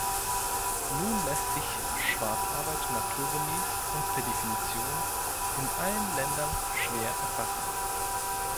Nun lässt sich Schwarzarbeit naturgemäß und per Definition in allen Ländern schwer erfassen.